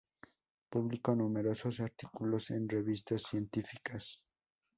Publicó numerosos artículos en revistas científicas.